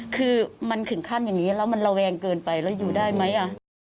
คือมันถึงขั้นอย่างนี้แล้วมันระแวงเกินไปแล้วอยู่ได้ไหม